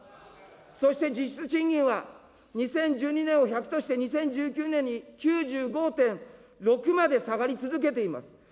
そして実質賃金は２０１２年を１００として、２０１９年に９５．６まで下がり続けています。